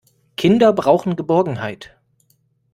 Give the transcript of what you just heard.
Kinder brauchen Geborgenheit.